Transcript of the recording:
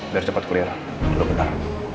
biar cepat kuliah dulu bentar